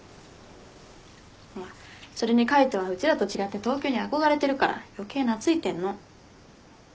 それに海斗はうちらと違って東京に憧れてるから余計懐いてんの。